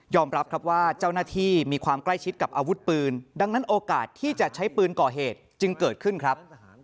รับครับว่าเจ้าหน้าที่มีความใกล้ชิดกับอาวุธปืนดังนั้นโอกาสที่จะใช้ปืนก่อเหตุจึงเกิดขึ้นครับ